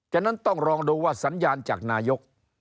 ฉะนั้นต้องลองดูว่าสัญญาณจากนายก